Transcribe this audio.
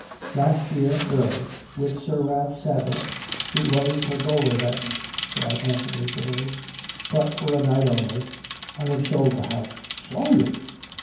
"" Last year, early — with Sir Ralph Sadler, who was her gaoler then !" cried Anthony bitterly ;" but for a night only. ... I have sold the house." "Sold it!"